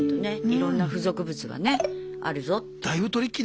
いろんな付属物がねあるぞって。